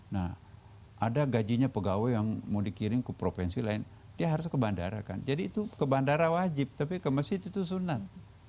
nah ada gajinya pegawai yang mau dikirim ke provinsi lain dia harus ke bandara kan jadi itu ke bandara wajib tapi ke masjid itu sunan